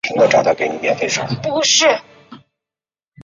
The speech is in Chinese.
主营业务为投资制作电视剧以及电影。